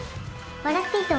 『笑っていいとも！』